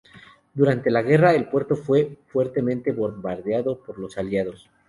Durante la guerra el puerto fue fuertemente bombardeado por los aliados.